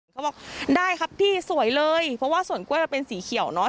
เขาบอกได้ครับพี่สวยเลยเพราะว่าสวนกล้วยมันเป็นสีเขียวเนอะ